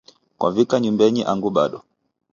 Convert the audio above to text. Kwavika nyumbenyi angu bado.